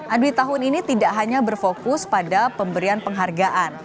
adwi tahun ini tidak hanya berfokus pada pemberian penghargaan